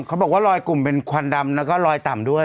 เขาบอกว่าลอยกลุ่มเป็นควันดำแล้วก็ลอยต่ำด้วย